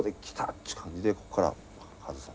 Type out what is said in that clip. っちゅう感じでこっから外した。